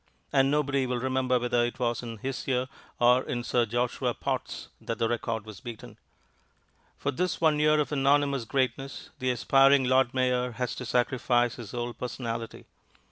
And nobody will remember whether it was in this year or in Sir Joshua Potts' that the record was beaten. For this one year of anonymous greatness the aspiring Lord Mayor has to sacrifice his whole personality.